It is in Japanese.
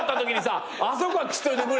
「あそこは切っといてくれ」って。